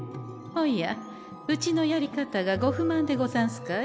おやうちのやり方がご不満でござんすかえ？